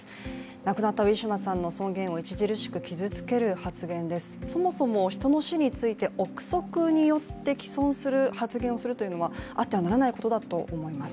亡くなったウィシュマさんの尊厳を著しく傷つける発言です、そもそも人の死について憶測によって既存する発言をするというのはあってはならないことだと思います。